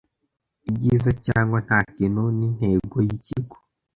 Ibyiza cyangwa Ntakintu nintego yikigo